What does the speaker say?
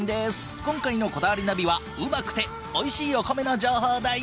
今回の『こだわりナビ』はうまくておいしいお米の情報だよ。